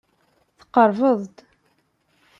Tqerrbeḍ-d.